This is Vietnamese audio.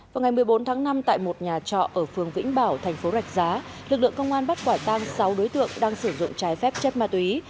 vào ngày một mươi bốn tháng năm tại một nhà trọ ở phường vĩnh bảo thành phố rạch giá lực lượng công an bắt quả tang sáu đối tượng đang sử dụng trái phép chất ma túy